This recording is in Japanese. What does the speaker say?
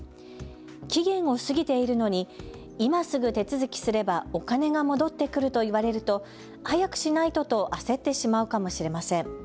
期限を過ぎているのに今すぐ手続きすればお金が戻ってくると言われると早くしないとと焦ってしまうかもしれません。